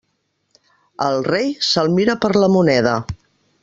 Al rei, se'l mira per la moneda.